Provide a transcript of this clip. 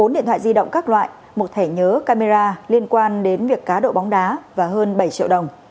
bốn điện thoại di động các loại một thẻ nhớ camera liên quan đến việc cá độ bóng đá và hơn bảy triệu đồng